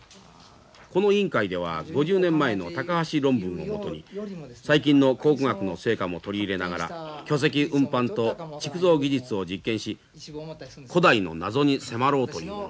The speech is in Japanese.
この委員会では５０年前の高橋論文を基に最近の考古学の成果も取り入れながら巨石運搬と築造技術を実験し古代の謎に迫ろうというものです。